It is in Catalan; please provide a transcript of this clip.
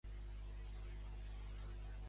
També es determinarà si Urdangarin entra a presó.